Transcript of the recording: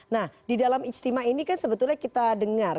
nah di dalam ijtima ini kan sebetulnya kita dengar